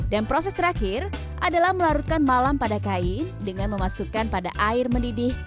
dan proses terakhir adalah melarutkan malam pada kain dengan memasukkan pada air mendidih